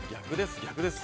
逆です。